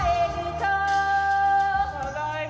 ただいま。